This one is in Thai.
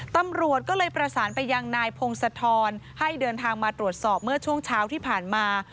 ตำรวจก็เลยประสานไปยังนายพงศธรให้เดินทางมาตรวจสอบเมื่อช่วงเช้าที่ผ่านมา